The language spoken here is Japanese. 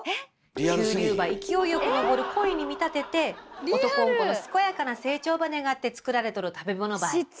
急流ば勢いよく上る鯉に見立てて男ん子の健やかな成長ば願って作られとる食べ物ばい。